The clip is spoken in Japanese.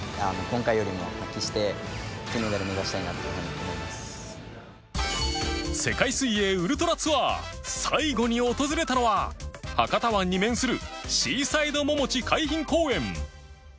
ちなみに世界水泳ウルトラツアー最後に訪れたのは博多湾に面するシーサイドももち海浜公園